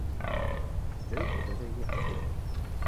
Byl i veřejně aktivní.